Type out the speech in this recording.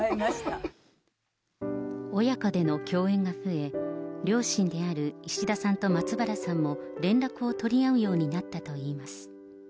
親子での共演が増え、両親である石田さんと松原さんも連絡を取り合うようになったといいます。